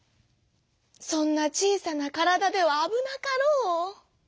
「そんなちいさなからだではあぶなかろう」。